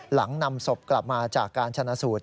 หลังนำศพกลับมาจากการชนะสูตร